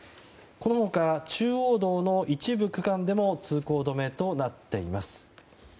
この他中央道の一部区間でも通行止めとなっています。